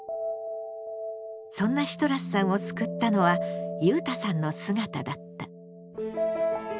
そんなシトラスさんを救ったのはゆうたさんの姿だった。